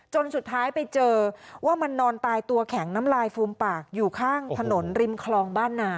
สุดท้ายไปเจอว่ามันนอนตายตัวแข็งน้ำลายฟูมปากอยู่ข้างถนนริมคลองบ้านนา